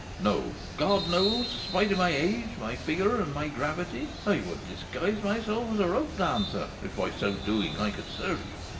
No, God knows, spite of my age, my figure, and my gravity, I would disguise myself as a rope dancer, if, by so doing, I could serve you.